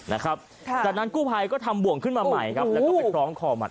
นะครับค่ะจากนั้นกู้ภัยก็ทำบ่วงขึ้นมาใหม่ครับแล้วก็ไปคล้องคอมัน